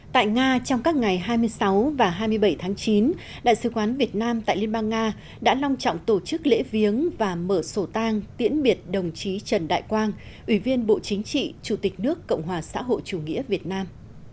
tại nga trong các ngày hai mươi sáu và hai mươi bảy tháng chín đại sứ quán việt nam tại liên bang nga đã long trọng tổ chức lễ viếng và mở sổ tang tiễn biệt đồng chí trần đại quang ủy viên bộ chính trị chủ tịch nước cộng hòa xã hội chủ nghĩa việt nam